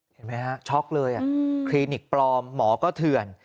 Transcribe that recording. เห็นไหมฮะช็อกเลยคลินิกปลอมหมอก็เถื่อน